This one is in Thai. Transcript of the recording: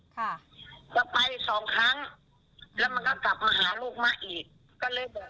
ก็ไปสองครั้งแล้วมันก็กลับมาหาลูกมาอีก